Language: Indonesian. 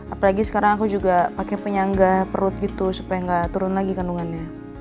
apalagi sekarang aku juga pakai penyangga perut gitu supaya nggak turun lagi kandungannya